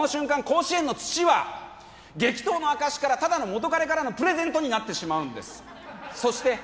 甲子園の土は激闘の証からただの元彼からのプレゼントになってしまうんですそして